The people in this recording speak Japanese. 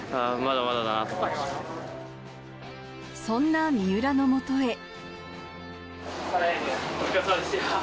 そんな三浦の元へ。